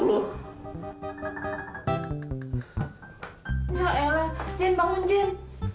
ya elah jin bangun jin